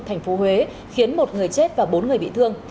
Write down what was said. thành phố huế khiến một người chết và bốn người bị thương